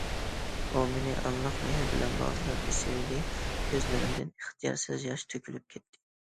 ئۇ مېنى ئانىلىق مېھرى بىلەن باغرىغا بېسىۋىدى، كۆزلىرىمدىن ئىختىيارسىز ياش تۆكۈلۈپ كەتتى.